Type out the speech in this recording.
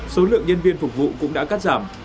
số lượng nhân viên phục vụ cũng đã cắt giảm